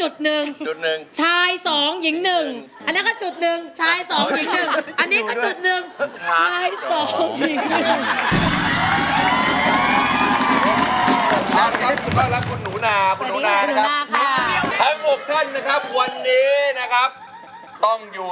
เดี๋ยวเดี๋ยว